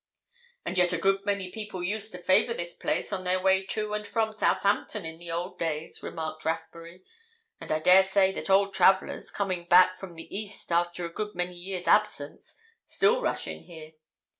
"And yet a good many people used to favour this place on their way to and from Southampton in the old days," remarked Rathbury. "And I daresay that old travellers, coming back from the East after a good many years' absence, still rush in here.